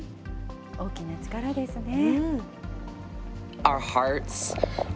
大きな力ですね。